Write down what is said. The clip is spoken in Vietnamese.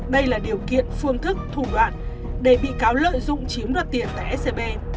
đây là điều kiện phương thức thủ đoạn để bị cáo lợi dụng chiếm đoạt tiền tại scb